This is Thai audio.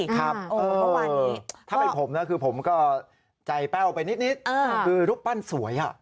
ครับถ้าเป็นผมนะคือผมก็ใจแป้วไปนิดคือรูปปั้นสวย